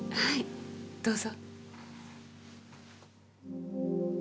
はいどうぞ。